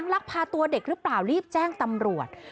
ลักพาตัวเด็กหรือเปล่ารีบแจ้งตำรวจ